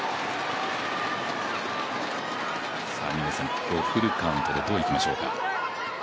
ここをフルカウントでどういきましょうか。